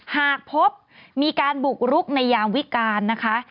หากพบมีการบุกรุกในยามวิการนะคะ